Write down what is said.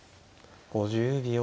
５０秒。